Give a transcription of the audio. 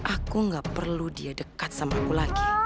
aku enggak perlu dia dekat sama aku lagi